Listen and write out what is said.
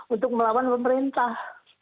untuk melawan pemerintah